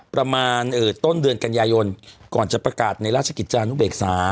ประมาณต้นเดือนกันยายนก่อนจะประกาศในราชกิจจานุเบกษา